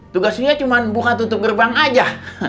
tugasnya cuma buka tutup gerbang aja